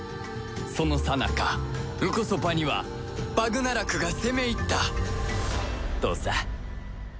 そのさなかンコソパにはバグナラクが攻め入ったとさ